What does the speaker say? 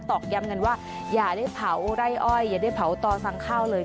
อกย้ำกันว่าอย่าได้เผาไร่อ้อยอย่าได้เผาต่อสั่งข้าวเลย